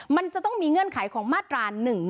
มันจะต้องมีเงื่อนไขของมาตรา๑๑